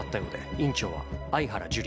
院長は愛原樹里